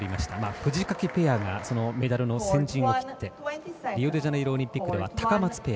フジカキペアがメダルの先陣を取ってリオデジャネイロオリンピックではタカマツペア。